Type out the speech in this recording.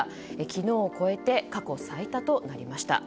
昨日を超えて過去最多となりました。